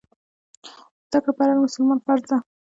زده کړه پر هر مسلمان فرض دی.